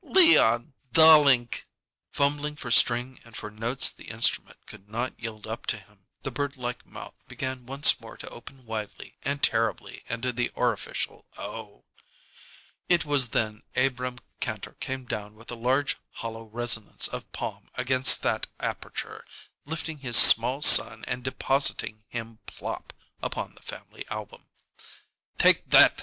"Leon darlink!" Fumbling for string and for notes the instrument could not yield up to him, the birdlike mouth began once more to open widely and terribly into the orificial O. It was then Abrahm Kantor came down with a large hollow resonance of palm against that aperture, lifting his small son and depositing him plop upon the family album. "Take that!